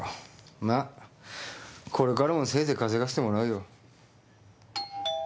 まぁこれからもせいぜい稼がせてもらうよ。